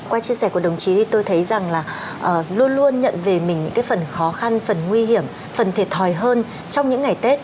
qua chia sẻ của đồng chí thì tôi thấy rằng là luôn luôn nhận về mình những cái phần khó khăn phần nguy hiểm phần thiệt thòi hơn trong những ngày tết